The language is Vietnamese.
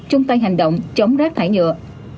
chung tay hành động chống rác thải nhựa